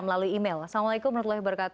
melalui email assalamualaikum wr wb